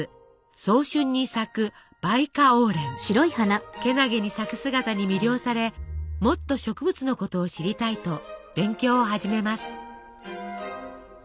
早春に咲くけなげに咲く姿に魅了されもっと植物のことを知りたいと勉強を始めます。